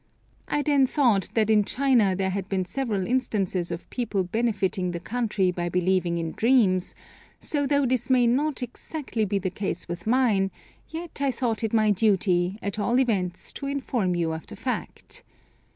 I then thought that in China there had been several instances of people benefiting the country by believing in dreams, so though this may not exactly be the case with mine, yet I thought it my duty, at all events, to inform you of the fact.